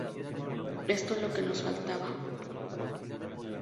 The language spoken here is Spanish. Esto es lo que nos faltaba.